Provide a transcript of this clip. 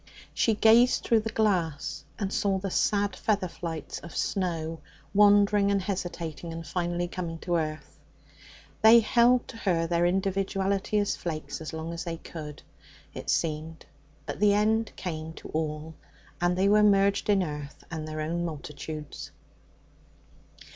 She gazed through the glass, and saw the sad feather flights of snow wandering and hesitating, and finally coming to earth. They held to their individuality as flakes as long as they could, it seemed; but the end came to all, and they were merged in earth and their own multitudes.